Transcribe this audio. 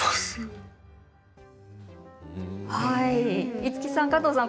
五木さん、加藤さん